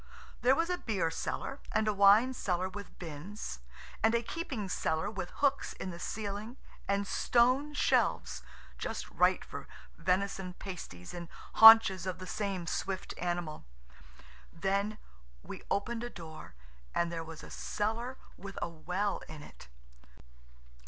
There was a beer cellar, and a wine cellar with bins, and a keeping cellar with hooks in the ceiling and stone shelves–just right for venison pasties and haunches of the same swift animal. Then we opened a door and there was a cellar with a well in it.